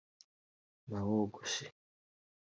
nawogoshe